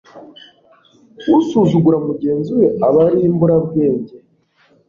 usuzugura mugenzi we, aba ari imburabwenge